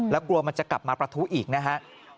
แล้วกลัวมันจะกลับมาประทุอีกนะฮะ